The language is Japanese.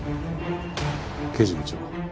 刑事部長。